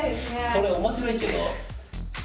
それ面白いけど。